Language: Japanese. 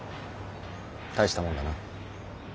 大したもんだな。